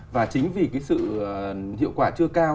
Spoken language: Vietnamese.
và chính vì sự hiệu quả chưa cao